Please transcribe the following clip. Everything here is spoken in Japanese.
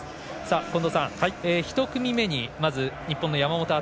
近藤さん、１組目にまず日本の山本篤。